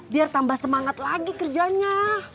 biar tambah semangat lagi kerjanya